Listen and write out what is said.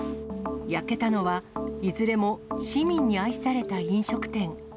焼けたのは、いずれも市民に愛された飲食店。